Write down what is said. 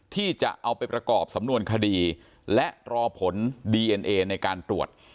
ที่จะเอาไปประกอบสำนวนคดีและรอผลดีเอ็นเอในการตรวจ